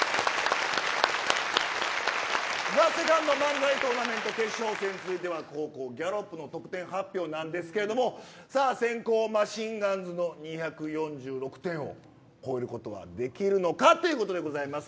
ＴＨＥＳＥＣＯＮＤ漫才トーナメント決勝戦続いては後攻、ギャロップの得点発表なんですけれどもさあ先攻マシンガンズの２４６点を超えることはできるのかということでございます。